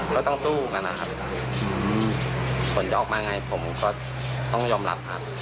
ก็ต้องสู้กันนะครับผลจะออกมาไงผมก็ต้องยอมรับครับ